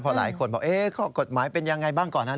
เพราะหลายคนบอกเอ๊ะข้อกฎหมายเป็นยังไงบ้างก่อนนะ